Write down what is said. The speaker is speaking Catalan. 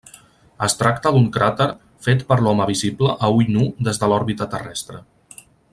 Es tracta d'un cràter fet per l'home visible a ull nu des de l'òrbita terrestre.